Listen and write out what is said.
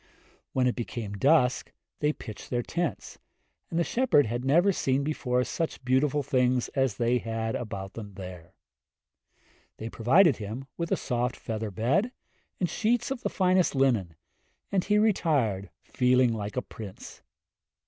When it became dusk they pitched their tents, and the shepherd had never seen before such beautiful things as they had about them there. They provided him with a soft feather bed and sheets of the finest linen, and he retired, feeling like a prince.